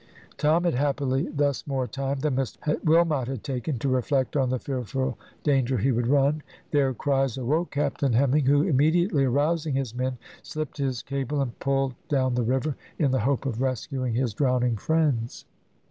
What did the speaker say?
Tom had happily thus more time than Mr Wilmot had taken, to reflect on the fearful danger he would run. Their cries awoke Captain Hemming, who, immediately arousing his men, slipped his cable and pulled down the river, in the hope of rescuing his drowning friends.